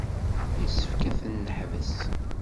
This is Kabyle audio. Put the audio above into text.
Yessefk ad ten-neḥbes.